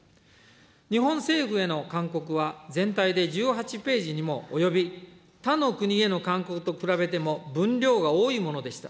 日本政府への勧告は、全体で１８ページにも及び、他の国への勧告と比べても分量が多いものでした。